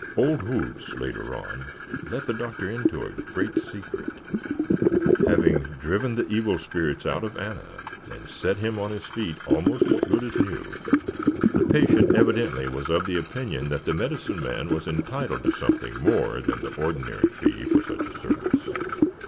Old Hoots, later on, let the Doctor into a great secret. Having driven the evil spirits out of Anna and set him on his feet almost as good as new, the patient evidently was of the opinion that the medicine man was entitled to something more than the ordinary fee for such a service.